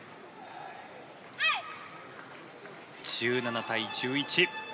１７対１１。